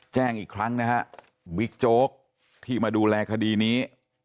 แจ้งอีกครั้งนะฮะบิ๊กโจ๊กที่มาดูแลคดีนี้